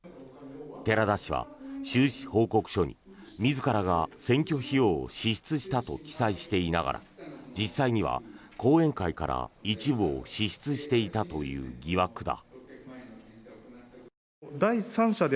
寺田氏は収支報告書に自らが選挙費用を支出したと記載していながら実際には後援会から一部を支出していたという疑惑だ。